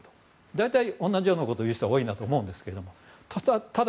大体、同じようなことを言う人が多いと思うんですがただ、